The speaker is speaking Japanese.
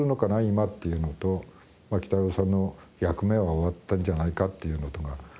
今っていうのときたろうさんの役目は終わったんじゃないかっていうのとが。